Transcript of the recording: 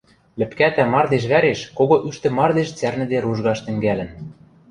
Лӹпкӓтӓ мардеж вӓреш кого ӱштӹ мардеж цӓрнӹде ружгаш тӹнгӓлӹн.